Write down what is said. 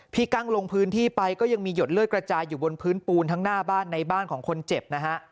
กั้งลงพื้นที่ไปก็ยังมีหยดเลือดกระจายอยู่บนพื้นปูนทั้งหน้าบ้านในบ้านของคนเจ็บนะฮะ